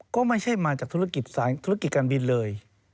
ก็ไม่ใช่มาจากธุรกิจการบินเลย